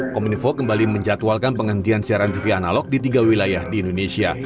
kominfo kembali menjatuhalkan penghentian siaran tv analog di tiga wilayah di indonesia